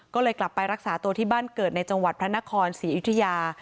ก็เลยกลับไปรักษาตัวที่บ้านเกิดในจังหวัดพระนครศรีอยุธยา